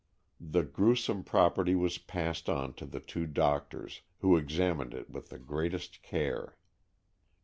The gruesome property was passed on to the two doctors, who examined it with the greatest care.